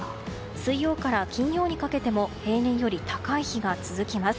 水曜日から金曜日にかけても平年より高い日が続きます。